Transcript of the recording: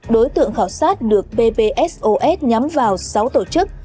đối tượng khảo sát được ppsos nhắm vào sáu tổ chức